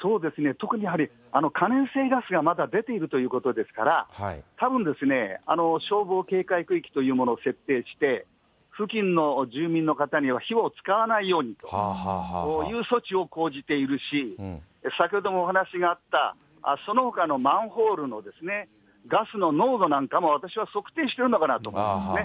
特にやはり、可燃性ガスがまだ出ているということですから、たぶんですね、消防警戒区域というものを設定して、付近の住民の方には火を使わないようにという措置を講じているし、先ほどもお話があった、そのほかのマンホールのガスの濃度なんかも、私は測定しているのかなと思うんですね。